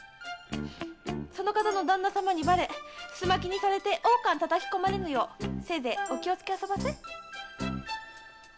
その方の旦那様にバレ簀巻きにされて大川に叩き込まれぬようせいぜいお気をつけあそばせ。